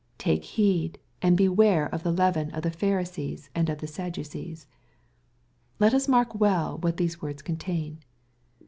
^^ Take heed, and beware of the leaven of the Pharisees and of tbt Sadducees/' Let us mark well what those words contain.